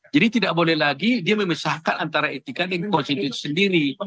jadi tidak boleh lagi dia memisahkan antara etika dan konstitusi sendiri